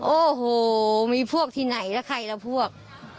โอ้โหมีพวกที่ไหนแล้วใครละพวก